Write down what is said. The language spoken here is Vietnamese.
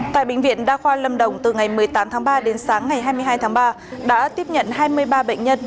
tại bệnh viện đa khoa lâm đồng từ ngày một mươi tám tháng ba đến sáng ngày hai mươi hai tháng ba đã tiếp nhận hai mươi ba bệnh nhân